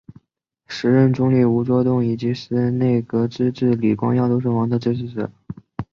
时任总理吴作栋以及时任内阁资政李光耀都是王的支持者。